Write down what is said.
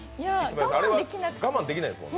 あれは我慢できないんですね？